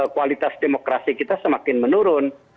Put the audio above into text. kualitas demokrasi kita semakin menurun